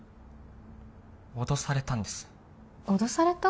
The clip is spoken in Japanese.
脅されたんです脅された？